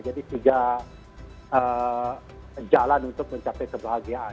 jadi tiga jalan untuk mencapai kebahagiaan